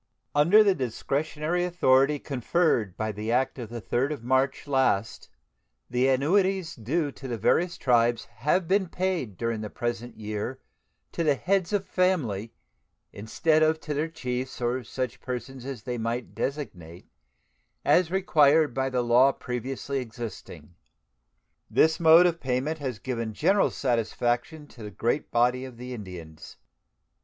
Under the discretionary authority conferred by the act of the 3d of March last the annuities due to the various tribes have been paid during the present year to the heads of families instead of to their chiefs or such persons as they might designate, as required by the law previously existing. This mode of payment has given general satisfaction to the great body of the Indians.